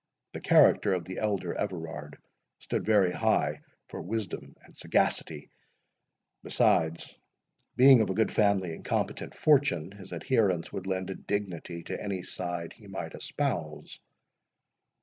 The character of the elder Everard stood very high for wisdom and sagacity; besides, being of a good family and competent fortune, his adherence would lend a dignity to any side he might espouse.